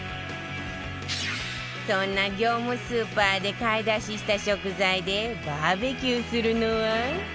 そんな業務スーパーで買い出しした食材でバーベキューするのは